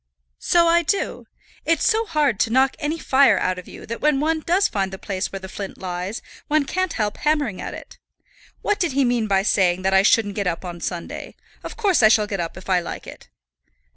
"So I do. It's so hard to knock any fire out of you, that when one does find the place where the flint lies, one can't help hammering at it. What did he mean by saying that I shouldn't get up on Sunday? Of course I shall get up if I like it."